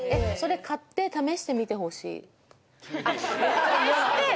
買って試してみてほしい。